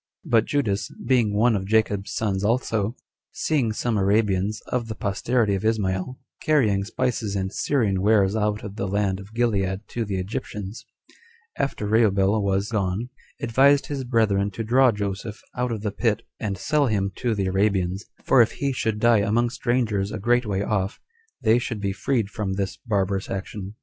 3. But Judas, being one of Jacob's sons also, seeing some Arabians, of the posterity of Ismael, carrying spices and Syrian wares out of the land of Gilead to the Egyptians, after Rubel was gone, advised his brethren to draw Joseph out of the pit, and sell him to the Arabians; for if he should die among strangers a great way off, they should be freed from this barbarous action.